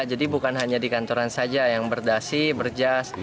jadi bukan hanya di kantoran saja yang berdasi berjas